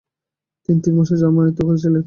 তিনি তিন মাসে জার্মান ও আয়ত্ত করেছিলেন।